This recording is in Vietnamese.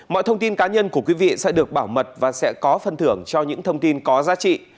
mọi thông tin cá nhân của quý vị sẽ được bảo mật và sẽ có phân thưởng cho những thông tin có giá trị